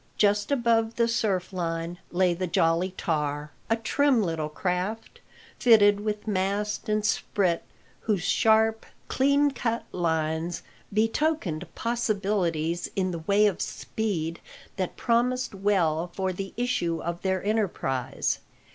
Just above the surf line lay the Jolly Tar a trim little craft, fitted with mast and sprit, whose sharp, clean cut lines betokened possibilities in the way of speed that promised well for the issue of their enterprise.